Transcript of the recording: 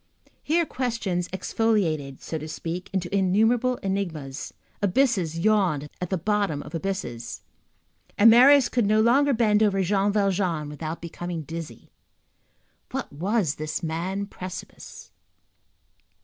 Here questions exfoliated, so to speak, into innumerable enigmas, abysses yawned at the bottoms of abysses, and Marius could no longer bend over Jean Valjean without becoming dizzy. What was this man precipice?